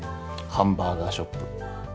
ハンバーガーショップ。